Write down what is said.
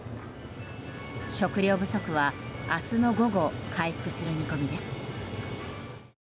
食料不足は明日の午後回復する見込みです。